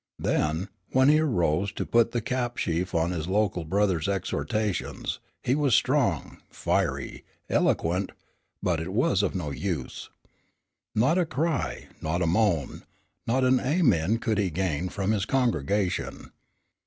Then, when he arose to put the cap sheaf on his local brother's exhortations, he was strong, fiery, eloquent, but it was of no use. Not a cry, not a moan, not an Amen could he gain from his congregation.